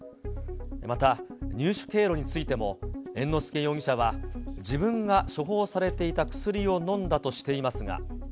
また、入手経路についても、猿之助容疑者は、自分が処方されていた薬を飲んだとしていますが。